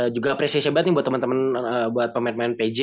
juga apresiasi banget nih buat temen temen buat pemain pemain pj